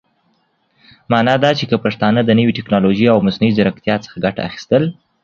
معنا دا چې که پښتانهٔ د نوې ټيکنالوژۍ او مصنوعي ځيرکتيا څخه ګټه اخيستل